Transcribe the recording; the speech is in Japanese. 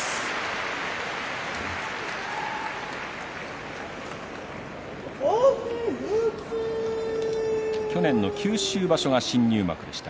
拍手去年の九州場所が新入幕でした。